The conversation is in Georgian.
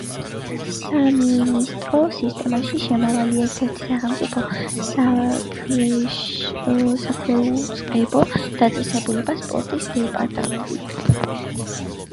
სამინისტროს სისტემაში შემავალი ერთ-ერთი სახელმწიფო საქვეუწყებო დაწესებულებაა სპორტის დეპარტამენტი.